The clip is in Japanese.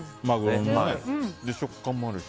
食感もあるし。